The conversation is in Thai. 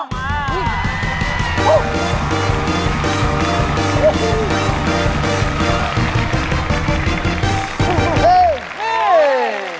เฮ้ย